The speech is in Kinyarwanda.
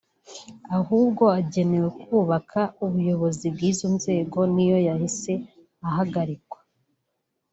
ahubwo agenewe kubaka ubuyobozi bw’izo nzego niyo yahise ihagarikwa